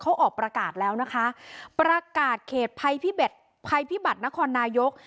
เขาออกประกาศแล้วนะคะประกาศเขตภัยพิบัตรนครนายก